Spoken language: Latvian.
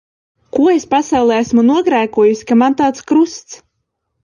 Ko es pasaulē esmu nogrēkojusi, ka man tāds krusts.